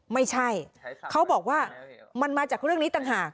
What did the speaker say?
ไม่ใช่เขาบอกว่ามันมาจากเรื่องนี้ต่างหาก